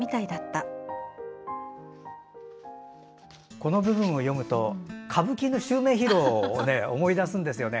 この部分を読むと歌舞伎の襲名披露を思い出すんですよね。